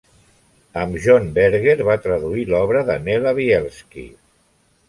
Amb John Berger va traduir l'obra de Nella Bielski.